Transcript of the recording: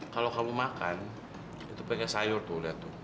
kalau kamu makan itu pakai sayur tuh lihat tuh